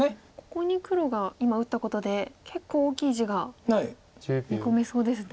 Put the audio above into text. ここに黒が今打ったことで結構大きい地が見込めそうですね。